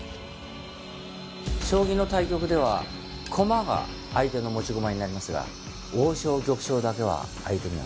将棋の対局では駒が相手の持ち駒になりますが王将玉将だけは相手には取られない。